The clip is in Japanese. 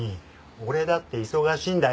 俺だって忙しいんだよ！